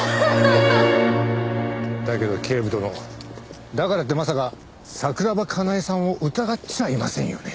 だけど警部殿だからってまさか桜庭かなえさんを疑っちゃいませんよね？